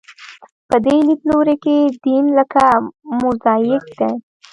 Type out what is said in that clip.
په دې لیدلوري کې دین لکه موزاییک دی.